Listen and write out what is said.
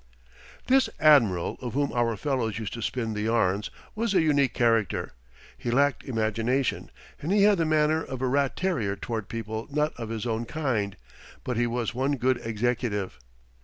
This admiral, of whom our fellows used to spin the yarns, was a unique character. He lacked imagination, and he had the manner of a rat terrier toward people not of his own kind; but he was one good executive.